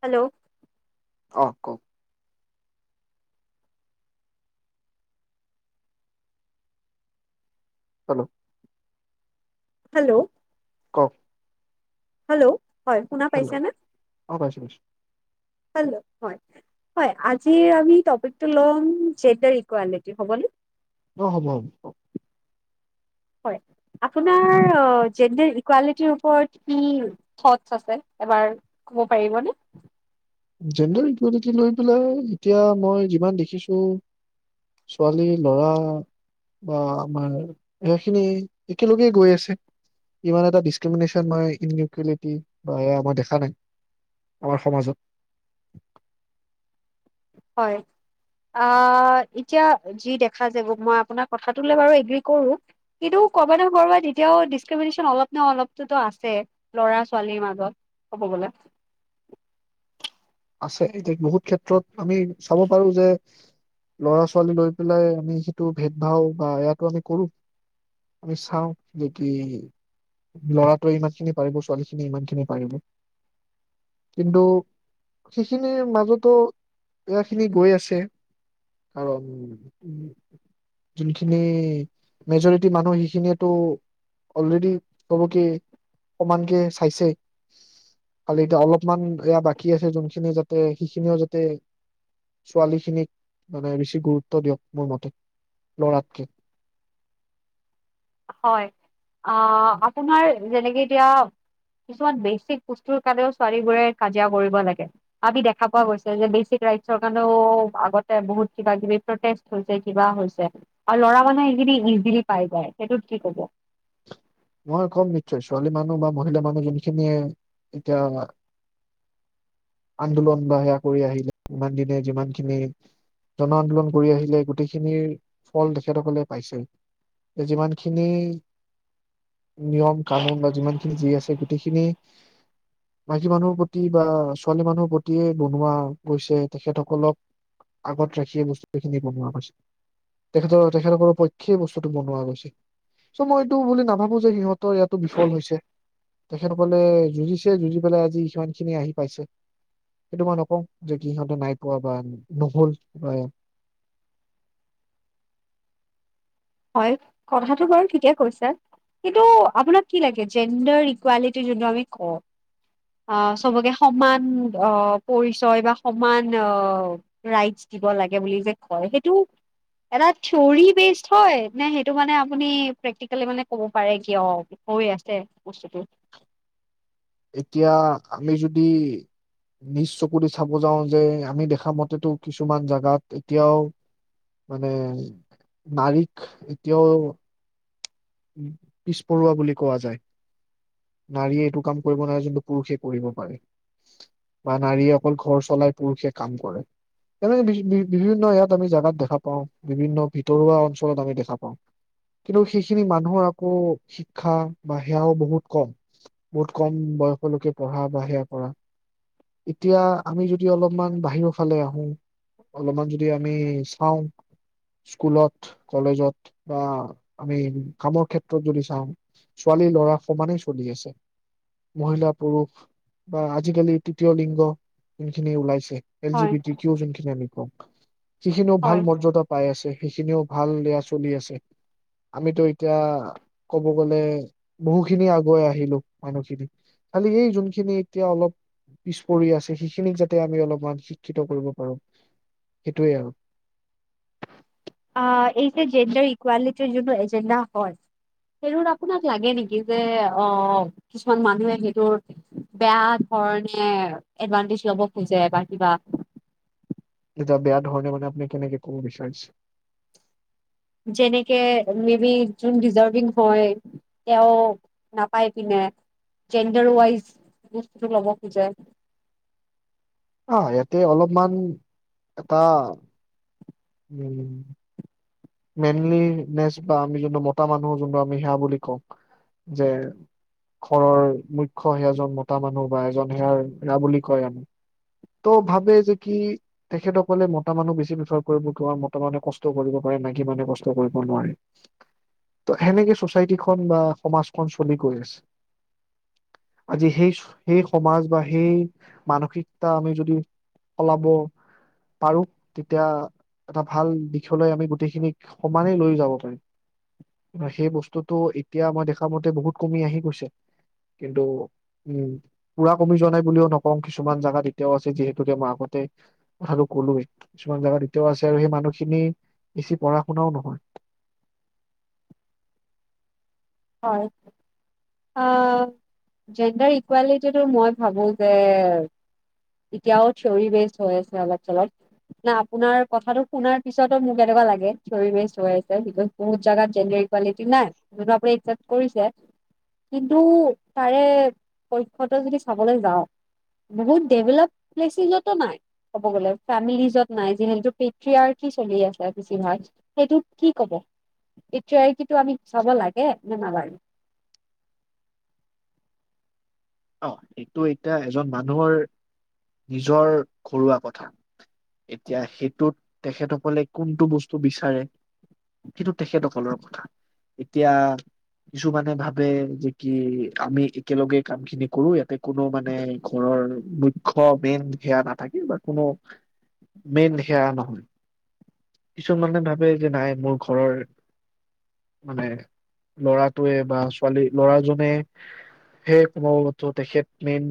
Hello? অ 'ক hello hello? কওঁক। হেল্ল' হয়। শুনা পাইছে নে? অ পাইছো পাইছো হেল্ল'? হয়-হয়। আজিৰ আমি টপিকটো ল'ম জেন্ডাৰ ইকুৱেলিটি। হ'বনে? অ' হব- হব। হ য় আপোনাৰ অ জেনেৰেল ইকুৱেলিটিৰ ওপৰত কি থথচ আছে এবাৰ কব পাৰিবনে? জেণ্ডাৰ ইকুৱেলিটি লৈ পেলাই এতিয়া মই যিমান দেখিছো ছোৱালী লৰা বা আমাৰ এয়াখিনি একেলগেই গৈ আছে ইমান এটা ডিচক্ৰিমিনে্যন ম ইন ইকুৱেলিটি বা এয়া মই দেখা নাই আমাৰ সমাজত [inaudible] হয় আ ' এতিয়া যি দেখা যাব মই আপোনাৰ কথাটোলৈ বাৰু এ গ্ৰী কৰোঁ এতিয়াও ডেছকৃমিনেচন অলপ নে অলপ টো আছে লৰা ছোৱালীৰ মাজত আছে এতিযা বহুত ক্ষেত্ৰত আমি চাব পাৰো যে লৰা ছোৱালী লৈ পেলাই আমি সেইটো ভেদ ভাৱ বা এয়াটো আমি কৰো আমি চাওঁ যদি লৰাটোৱে ইমান খিনি পাৰিব ছোৱালী খিনি ইমান খিনি পাৰিব কিন্তু সেইখিনিৰ মাজতো এয়াখিনি গৈ আছে। কাৰণ উম, যোনখিনি মেজৰিটি মানুহ সেইখিনিয়েতো অলৰেডি কব কে, সমানকে চাইছেই। খালি এতিয়া অলপমান এয়া বা শিকি আছে যোনখিনি যাতে সিখিনিও যাতে ছোৱালী খিনিক মানে বেছি গুৰুত্ব দিয়ক মোৰ মতে লৰাতকে। হয়। অ', আপোনাৰ যেনেকে এতিয়া কিছুমান বেছিক বস্তুৰ কাৰণেও ছোৱালীবোৰে কাজিয়া কৰিব লাগে। আমি দেখা পোৱা গৈছে যে বেছিক ৰাইটছৰ কাৰণেও আগতে বহুত কিবা-কিবি প্ৰটেষ্ট হৈছে, কিবা হৈছে। আৰু ল'ৰা মানুহে সেইখিনি ইজিলি পাই যায়। সেইটোত কি কব? মই কম, নিশ্চয়, ছোৱালী মানুহ বা মহিলা মানুহ যোনখিনিয়ে এতিয়া আন্দোলন বা সেয়া কৰি আহিলে, ইমান দিনে যিমানখিনি জন আন্দোলন কৰি আহিলে, গোটেইখিনিৰ ফল তেখেতসকলে পাইছে। এই যিমানখিনি নিয়ম কানুন বা যিমানখিনি যি আছে গোটেইখিনি মাইকী মানুহৰ প্ৰতি বা ছোৱালী মানুহৰ প্ৰতিয়ে বনোৱা গৈছে তেখেতসকলক আগত ৰাখিয়ে বস্তুেইখিনি বনোৱা গৈছে তেখেতৰ তেখেতসকলৰ পক্ষয় বস্তুটো বনোৱা গৈছে চ মই এইটো বুলি ন ভাবোঁ যে সিহঁতৰ ইয়াতো বিফল হৈছে। তেখেতসকলে যুঁজিছে। যুঁজি পেলাই আজি সিমানখিনি আহি পাইছে। সেইটো মই নকওঁ যে কি- সিহঁতে নাই পোৱা বা নহল বা হয়, কথাটো বাৰু ঠিকেই কৈছে। কিন্তু আপোনাক কি লাগে? জেণ্ডাৰ ইকুৱেলিটি যোনটো আমি কওঁ, অ'- চবকে সমান অ'- পৰিচয় বা সমান অ'- ৰাইটছ দিব লাগে বুলি যে কয়, সেইটো এটা থিঅৰী বেছ হয় নে সেইটো মানে আপুনি প্ৰেক্টিকেলি মানে কব পাৰে কিয় হৈ আছে বস্তু এতিয়া আমি যদি, নিজ চকুদি চাব যাওঁ যে, আমি দেখা মতেতো কিছুমান জাগাত এতিয়াও, মানে নাৰীক এতিয়াও পিছপৰোৱা বুলি কোৱা যায়। নাৰীয়ে এইটো কাম কৰিব নোৱাৰে, যোনটো পুৰুষে কৰিব পাৰে। বা নাৰীয়ে অকল ঘৰ চলায়, পুৰুষে কাম কৰে। এনে বিভি- বিভি- বিভিন্ন এয়াত আমি জেগাত দেখা পাওঁ। বিভিন্ন ভিতৰুৱা অঞ্চলত আমি দেখা পাওঁ। কিন্তু সেই সিখিনি মানুহৰ আকৌ শিক্ষা বা সেয়াও বহুত কম। বহুত কম বয়সলৈকে পঢ়া বা সেয়া কৰা। এতিয়া আমি যদি অলপমান বাহিৰৰ ফালে আহোঁ, অলপমান যদি আমি চাওঁ, স্কুলত, কলেজত বা আমি কামৰ ক্ষেত্ৰত যদি চাওঁ, ছোৱালী-ল'ৰা সমানেই চলি আছে। মহিলা, পুৰুষ বা আজিকালি তৃতীয় লিংগ যোনখিনি ওলাইছে এল জি হয় বি টি কিওজন কিনি আমি। কুব সিখিনিও ভাল হয় মৰ্যদা পাই আছে। সেইখিনিও ভাল দয়া চলি আছে আমিতো এতিয়া কব গলে বহুখিনি আগুৱাই আহিলো মানুহখিনি খালি এই যোনখিনি এতিয়া অলপ পিছ পৰি আছে সেইখিনিক যাতে আমি অলপমান শিক্ষিত কৰিব পাৰো সেইটোৱে আৰু অ' এই যে জেণ্ডাৰ ইকুৱেলিটিৰ যোনটো এজেণ্ডা হয়, সেইটো আপোনাক লাগে নেকি যে অ' কিছুমান মানুহে সেইটোৰ বেয়াধৰণে এদভান্টেজ ল'ব খোজে বা কিবা যা বেয়া ধৰণে মানে আপুনি কেনেকে কব বিচাৰিছে? যেনেকে মে বি জুন ডিজাৰভিং হয় তেওঁ নাপাই পিনে জেণ্ডাৰৱাইছ বস্তু ল'ব খোজে আহ ইয়াতে অলপমান এটা উম মেইনলি নচ বা আমি যোনটো মতা মানুহ যোনটো আমি সেয়া বুলি কওঁ যে ঘৰৰ মুখ্য্ সেয়াজন মতা মানুহ বা এজন সেয়াৰ সেয়া বুলি কয় আমি ত' ভাবে যে কি তেখেতসকলে মতা মানুহ বেছি প্ৰফাৰ কৰিব ক মতা মানুহে কষ্ট কৰিব কৰে, মাইকী মানুহে কষ্ট কৰিব নোৱাৰে। তো সেনেকে চ'চাইটিখন বা সমাজখন চলি গৈ আছে। আজি সেই- সেই সমাজ বা সেই মানসিকতা আমি যদি সলাব পাৰোঁ, তেতিয়া এটা ভাল দিশলৈ আমি গোটেইখিনিক সমানেই লৈ যাব পাৰি সেই বস্তুটো এতিয়া মই দেখা মতে বহুত কমি আহি গৈছে কিন্তু উম পুৰা কমি যোৱা নাই বুলিও নকওঁ কিছুমান জেগাত এতিয়াও আছে যিহেতুকে মই আগতে কথাটো কলোৱে কিছুমান জেগাত এতিয়াও আছে আৰু সেই মানুহখিনি বেছি পঢ়া শুনাও নহয় হয়। আ জেণ্ডাৰ ইকুৱেলিটিটো মই ভাবো যে, এতিয়াও থিয়ৰী বেচড হৈ আছে অলপ-চলপ। নে আপোনাৰ কথাটো শুনাৰ পিছতো মোক এনেকুৱা লাগে থিয়ৰী হৈ আছে বিক'জ বহুত জাগাত জেণ্ডাৰ ইকুৱেলিটি নাই। যোনটো আপুনি চাপ কৰিছে। কিন্তু তাৰে পক্ষতো যদি চাবলৈ যাওঁ, বহুত ডেভেলপ প্লেচেজতো নাই। ক'ব গ'লে ফেমিলিজত নাই যিহেতু পেত্ৰিআৰ্কি চলি আছে বেছিভাগ, সেইটোত কি ক'ব? পেত্ৰিআৰ্কিটো আমি চাব লাগে? নে নালাগে? অ' সেইটো এতিয়া এজন মানুহৰ নিজৰ ঘৰুৱা কথা। এতিয়া সেইটোত তেখেতসকলে কোনটো বস্তু বিচাৰে? সেইটো তেখেতসকলৰ কথা। এতিয়া কিছুমানে ভাবে যে কি আমি একেলগে কামখিনি কৰোঁ ইয়াতে, কোনো মানে ঘৰৰ মুখ্য, মেইন সেয়া নাথাকে বা কোনো মেইন সেয়া নহয়। কিছুমান মানুহে ভাবে যে নাই মোৰ ঘৰৰ মানে ল'ৰাটোৱে বা ছোৱালী-ল'ৰাজনে সেই কোনো ত' তেখেত মেইন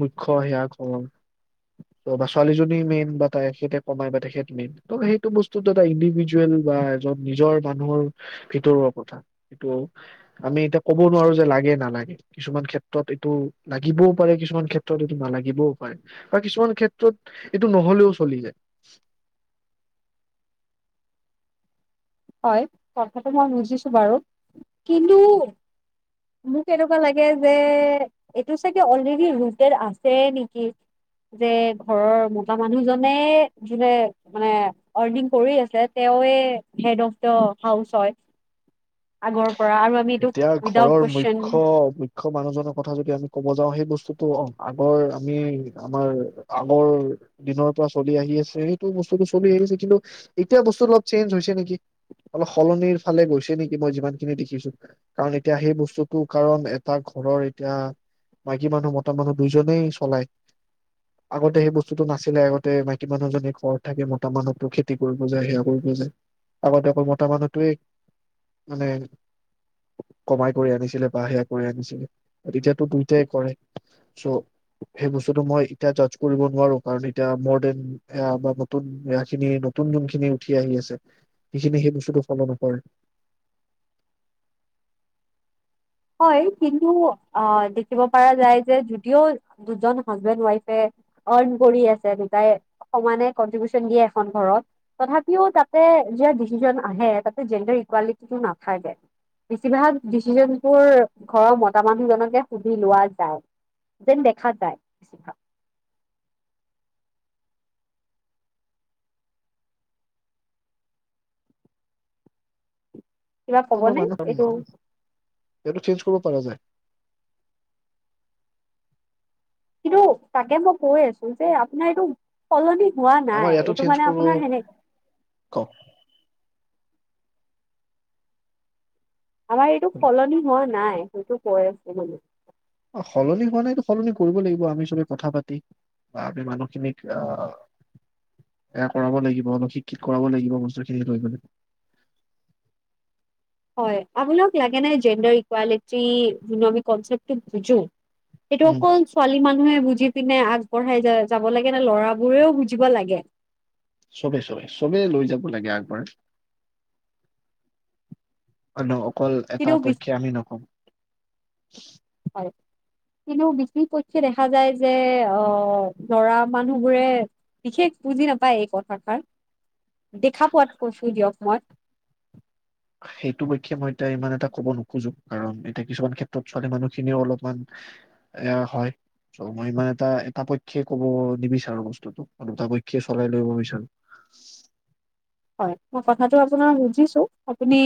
মুখ্য সেয়া ঘৰৰ, ত' বা ছোৱালীজনী মেইন বা তেখেতে কমাই বা তেখেত মেইন, ত' সেইটো বস্তুত এটা ইণ্ডিভিজুৱেল বা এজন নিজৰ মানুহৰ ভিতৰুৱা কথা। হেটো আমি এতিয়া ক'ব নোৱাৰো যে লাগে- নালাগে কিছুমান ক্ষেত্ৰত। তত এইটো লাগিবও পাৰে কিছুমান ক্ষেত্ৰত এইটো নালাগিবও পাৰে। বা কিছুমান ক্ষেত্ৰত এইটো নহ'লেও চলি যায়। হয়, কথাটো মই বুজিছো বাৰু কিন্তু মোক এনেকুৱা লাগে যে এইটো চাগে অলৰেডি ৰুটেত আছে নেকি? যে ঘৰৰ মোতা মানুহজনে যোনে মানে আৰ্নিং কৰি আছে তেওঁৱে হেড অফ দা হাউচ হয়। আগৰ পৰা আৰু আমি এইটো এতিয়া উইদাউট ঘৰৰ কুৱেশন মুখ্য আকৌ মানুহজনৰ কথা যদি আমি কব যাওঁ সেই বস্তুতটো অহ আগৰ আমি আমাৰ আগৰ দিনৰ পৰা চলি আহি আছে সেইটো বস্তুটো চলি আহিছে কিন্তু এতিয়া বস্তু অলপ চেঞ্জ হৈছে নেকি! অলপ সলনিৰ ফালে গৈছে নেকি মই যিমানখিনি দেখিছো। কাৰণ এতিয়া সেই বস্তুটো কাৰণ এটা ঘৰৰ এতিয়া মাইকীমানুহ মতামানুহ দুইজনেই চলায়। আগতে সেই বস্তুটো নাছিলে আগতে মাইকী মানুহজনী ঘৰত থাকে, মতা মানুহটো খেতি কৰিব যায়, সেয়া কৰিব যায়। আগতে অকল মতা মানুহটোৱে মানে কমাই কৰি আনিছিলে বা সেয়া কৰি আনিছিলে। তেতিয়াটো দুইটাই কৰে, চ' সেই বস্তুটো মই এতিয়া জাজ কৰিব নোৱাৰো কাৰণ এতিয়া মৰ দেন এয়া বা নতুনয়া খিনি নতুন যোনখিনি উঠি আহি আছে সেইখিনি সেই বস্তুটো ফল' নকৰে। হয়, কিন্তু অ' দেখিব পৰা যায় যে যদিও দুজন হাজবেণ্ড ওৱাইফে আৰ্ণ কৰি আছে, দুটাই সমানে কনট্ৰিবউশন দিয়ে এখন ঘৰত, তথাপিও তাতে জিয়া ডিচিজন আহে তাতে জেণ্ডাৰ ইকুৱালিটিটো নাথাকে। বেছিভাগ ডিচিজন তোৰ ঘৰৰ মতা মানুহজনকে সুধি লোৱা যায়, যেন দেখা যায় বেছিভাগ। কিবা কবনে এইটো [unintelligible] এইটো চেন্স ব পৰা যায়। কিন্তু তাকে মই কৈ আছো যে আপোনাৰ এইটো সলনি হোৱা আমাৰ নাই ইয়াতো এইটো চেঞ্জ মানে কৰিব আপোনাৰ হেনেকে কওক আমাৰ এইটো সলনি হোৱা নাই নাই সেইটো কৈ আছো মানে সলনি হোৱা নাইতো সলনি কৰিব লাগিব আমি চবে কথা পাতি, বা আমি মানুহখিনিক আহ এয়া কৰাব লাগিব অলপ শিক্ষিত কৰাব লাগিব বস্তুখিনিক লৈ লাগ হয় আপোনোক লাগে নে জেণ্ডাৰ ইকুৱেলিটি যোনটো আমি কনচেপটো বুজো এটো উম কন ছোৱালীমান মানুহে বুজি পিনে আগবঢ়াই যা-যাব লাগে নে ল'ৰাবোৰেও বুজিব লাগে? চবে, চবে, চবে লৈ যাব লাগে আগবৰাই। ন অকল এটা কিন্তু বেছি পক্ষে আমি নকওঁ। [unintelligible] কিন্তু বিশেষ পক্ষে দেখা যায় যে, আ ল'ৰা মানুহবোৰে বিশেষ বুজি নাপায় এই কথাষাৰ। দেখা পোৱাত কৈছো দিয়ক মই। সেইটোপক্ষে মই এতিয়া ইমান এটা ক'ব নোখোজো। কাৰণ এতিয়া কিছুমান ক্ষেত্ৰত ছোৱালী মানুহখিনিও অলপমান, এয়া হয়, চ' মই ইমান এটা, এটা পক্ষে ক'ব নিবিচাৰো বস্তুটো আৰু দুটা পক্ষে চলাই লৈ যাব বিচাৰো। হয় মই কথাটো আপোনাৰ বুজিছো, আপুনি,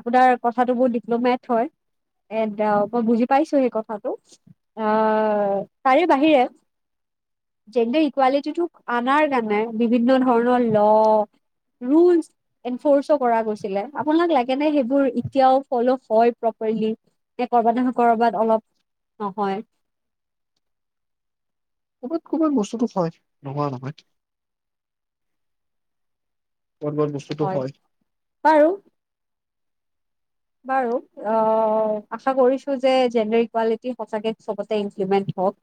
আপোনাৰ কথাটো বহুত ডিপ্লমেট হয়। এণ্ড মই বুজি পাইছো সেই কথাটো। আ তাৰে বাহিৰে জেণ্ডাৰ ইকুৱালিটিটো অনাৰ কাৰণে বিভিন্ন ধৰণৰ ল' ৰুলছ এনফৰ্চো কৰা গৈছিলে, আপোনাক লাগে নে সেইবোৰ এতিয়াও ফ'ল হয় প্ৰপাৰলি? নে ক'ৰবাত নহয় ক'ৰবাত অলপ নহয়! ক'ৰবাত, ক'ৰবাত বস্তুতো হয়। নোহোৱা নহয়! ক'ৰবাৰ বস্তুটো হয়। বাৰু বাৰু, আ আশা কৰিছো যে জেণ্ডাৰ ইকুৱালিটি সঁচাকে চবতে ইমপ্লিমেণ্ট হওক।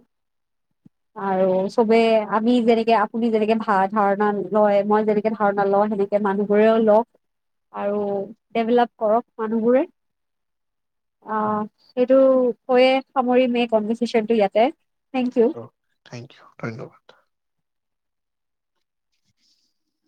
আৰু চবে আমি যেনেকে আপুনি যেনেকে ভা ধাৰণা লয় মই যেনেকে ধাৰণা লওঁ হেনেকে মানুহবোৰেও লওক আৰু ডেভেলপ কৰক। মানুহবোৰে, অ' সেইটো কয়ে সামৰিম এই কনভাৰচেচনটো ইয়াতে। থেংক ইউ থেংক ইউ ধন্যবাদ।